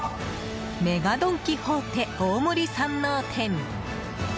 ＭＥＧＡドン・キホーテ大森山王店。